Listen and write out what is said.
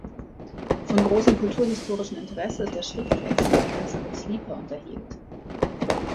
Von großem kulturhistorischen Interesse ist der Schriftwechsel, den Hanson mit Sleeper unterhielt.